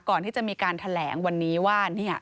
ก่อนที่จะมีการแถลงวันนี้ว่า